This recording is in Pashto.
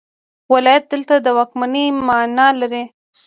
ولایت دلته د واکمنۍ معنی لري.